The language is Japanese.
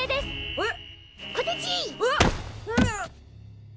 えっ？